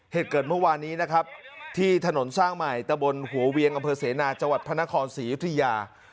เหตุเกิดเมื่อวานี้นะครับที่ถนนสร้างใหม่ตะบลหัวเวียงอเศนาจพนครศรีภรรยา